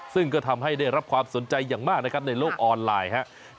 ซึ่งก็ทำให้ได้รับความสนใจอย่างมากนะครับในโลกออนไลน์ครับ